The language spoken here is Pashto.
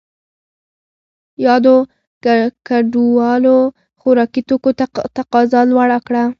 یادو کډوالو خوراکي توکو ته تقاضا لوړه کړه.